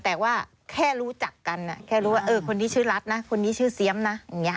แต่ว่าแค่รู้จักกันแค่รู้ว่าเออคนนี้ชื่อรัฐนะคนนี้ชื่อเสียมนะอย่างนี้